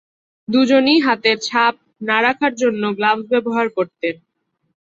দুজনই হাতের ছাপ না রাখার জন্য গ্লাভস ব্যবহার করতেন।